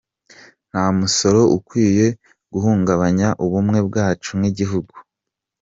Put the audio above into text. "Nta musoro ukwiye guhungabanya ubumwe bwacu nk'iguhugu.